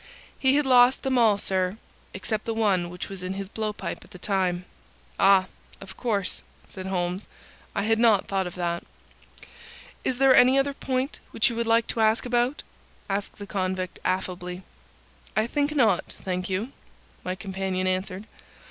"He had lost them all, sir, except the one which was in his blow pipe at the time." "Ah, of course," said Holmes. "I had not thought of that." "Is there any other point which you would like to ask about?" asked the convict, affably. "I think not, thank you," my companion answered.